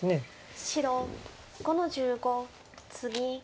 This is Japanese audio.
白５の十五ツギ。